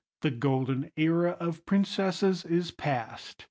The golden era of princesses is past.